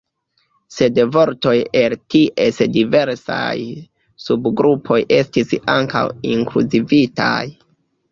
Sed vortoj el ties diversaj subgrupoj estis ankaŭ inkluzivitaj.